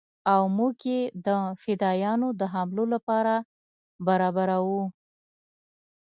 او موږ يې د فدايانو د حملو لپاره برابرو.